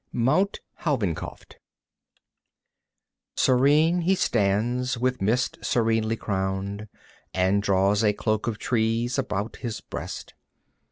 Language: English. Mount Houvenkopf Serene he stands, with mist serenely crowned, And draws a cloak of trees about his breast.